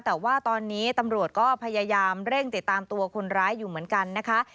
แต่ว่าตอนนี้ตำรวจก็พยายามเร่งติดตามตัวคนร้ายอยู่เหมือนกันนะคะ